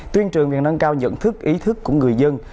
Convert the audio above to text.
tuyên trường việc nâng cao nhận thức ý thức của người dân